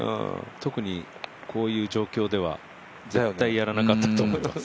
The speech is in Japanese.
特に、こういう状況では絶対やらなかったと思います。